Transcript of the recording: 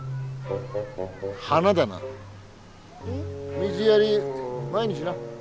水やり毎日な。